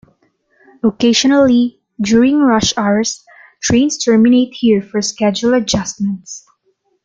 Occasionally, during rush hours, trains terminate here for schedule adjustments.